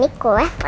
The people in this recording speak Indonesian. ini kue tante prosen